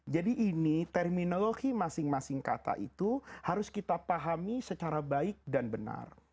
jadi ini terminologi masing masing kata itu harus kita pahami secara baik dan benar